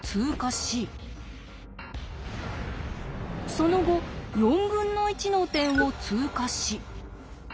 その後４分の１の点を通過し。